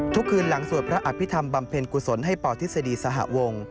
ทุกคืนหลังสวัสดิ์พระอภิษฐรรมบำเพ็ญกุศลให้ปอธิสดีสหวง